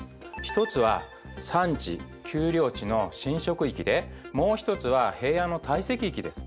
一つは山地丘陵地の侵食域でもう一つは平野の堆積域です。